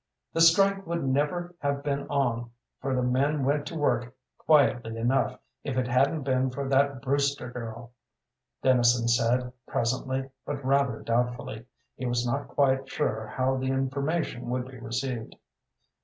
"The strike would never have been on, for the men went to work quietly enough, if it hadn't been for that Brewster girl," Dennison said, presently, but rather doubtfully. He was not quite sure how the information would be received.